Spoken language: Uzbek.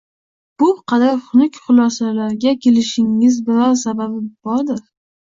-Bu qadar xunuk xulosalarga kelishingizning biror sababi bordir?